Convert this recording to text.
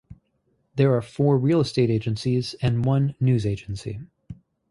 There are four real estate agencies and one news agency.